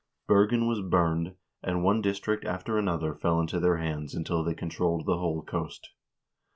Bergen was burned, and one district after another fell into their hands until they controlled the whole coast.